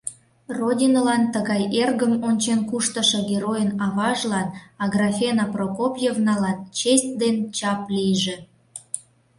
Родинылан тыгай эргым ончен куштышо геройын аважлан — Аграфена Прокопьевналан — честь ден чап лийже!